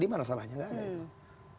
di mana salahnya nggak ada itu